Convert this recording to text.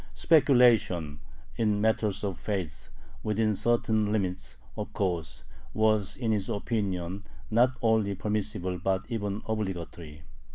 "Speculation" in matters of faith within certain limits, of course was, in his opinion, not only permissible but even obligatory.